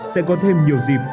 sẽ có thêm nhiều dịp